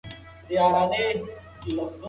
د شکر ناروغان باید پښو ته پام وکړي.